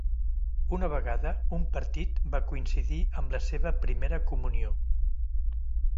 Una vegada, un partit va coincidir amb la serva primera comunió.